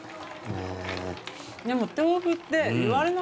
でも。